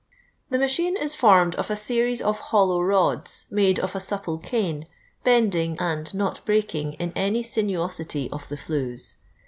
The machine is formed of a series of hollow rods, made of a supple cane, bending and not brefjring in any sinuosity of the flues.